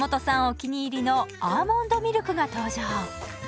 お気に入りのアーモンドミルクが登場。